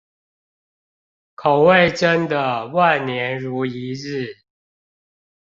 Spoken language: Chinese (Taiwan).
口味真的萬年如一日